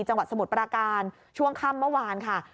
จังหวัดสมุดประการช่วงค่ำเมื่อวานค่ะ